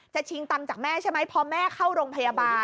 ชิงตังค์จากแม่ใช่ไหมพอแม่เข้าโรงพยาบาล